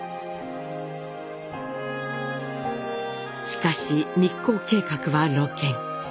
しかし密航計画は露見。